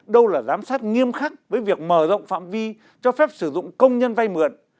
đâu là giám sát nghiêm khắc với việc mở rộng phạm vi cho phép sử dụng công nhân vay mượn